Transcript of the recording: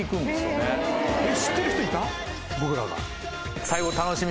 僕らが。